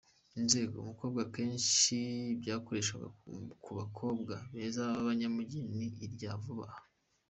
Inzego” : Umukobwa, akenshi byakoreshwaga ku bakobwa beza b’abanyamujyi, ni irya vuba aha.